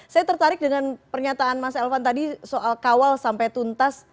saya tertarik dengan pernyataan mas elvan tadi soal kawal sampai tuntas